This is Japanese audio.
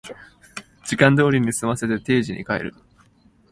時間通りに済ませて定時で帰る